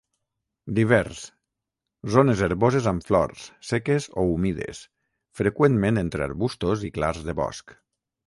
Divers: zones herboses amb flors, seques o humides, freqüentment entre arbustos i clars de bosc.